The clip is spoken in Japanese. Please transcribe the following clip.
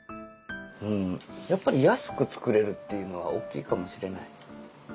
うんやっぱり安く作れるっていうのは大きいかもしれない。